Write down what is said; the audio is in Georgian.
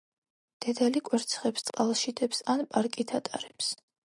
დედალი კვერცხებს წყალში დებს ან პარკით ატარებს.